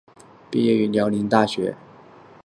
毕业于辽宁大学。